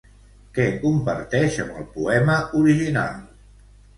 Què comparteix amb el poema original?